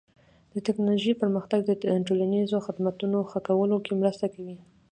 د ټکنالوژۍ پرمختګ د ټولنیزو خدمتونو ښه کولو کې مرسته کوي.